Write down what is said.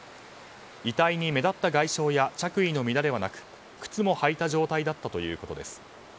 遺体に目立った外傷や着衣の乱れもなく靴も履いた状態だったということです。